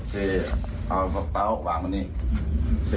ขอให้อาฆษฐานหายไป